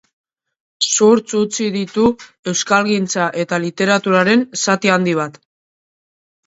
Zurtz utzi ditu euskalgintza eta literaturaren zati handi bat.